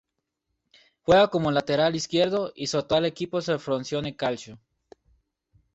Juega como lateral izquierdo, y su actual equipo es el Frosinone Calcio.